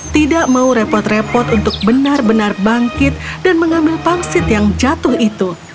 tidak mau repot repot untuk benar benar bangkit dan mengambil pangsit yang jatuh itu